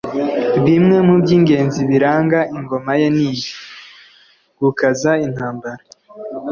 bimwe mu by'ingenzi biranga ingoma ye ni ibi : gukaza intambara